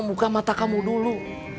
membuka mata kamu dulu